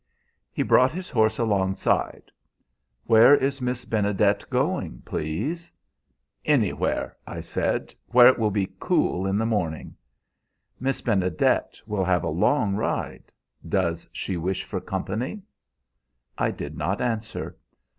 "He brought his horse alongside. 'Where is Miss Benedet going, please?' "'Anywhere,' I said, 'where it will be cool in the morning.' "'Miss Benedet will have a long ride. Does she wish for company?' "I did not answer.